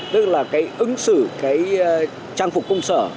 tức là cái ứng xử cái trang phục công sở